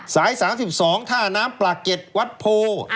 สาย๓๒ท่าน้ำปลาเก็ตวัดโพ